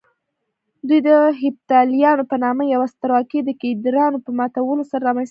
دوی د هېپتاليانو په نامه يوه سترواکي د کيداريانو په ماتولو سره رامنځته کړه